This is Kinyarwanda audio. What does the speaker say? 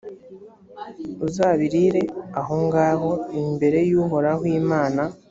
uzabirire aho ngaho imbere y’uhoraho imana